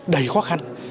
đầy khó khăn